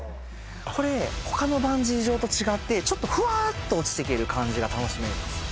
これ他のバンジー場と違ってちょっとフワーッと落ちていける感じが楽しめます